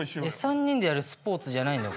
３人でやるスポーツじゃないのよ